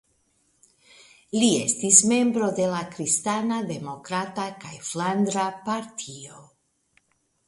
Li estis membro de la kristana demokrata kaj flandra partio.